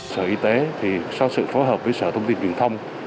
sở y tế thì sau sự phối hợp với sở thông tin truyền thông